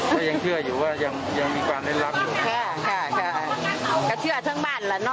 ก็ยังเชื่ออยู่ว่ายังยังมีความเน้นลับอยู่ค่ะค่ะค่ะก็เชื่อทั้งบ้านแหละเนอะ